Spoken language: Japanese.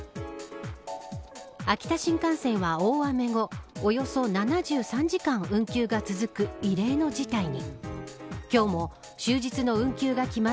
秋田新幹線は大雨後およそ７３時間運休が続く異例の事態に。